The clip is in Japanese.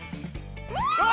うわ！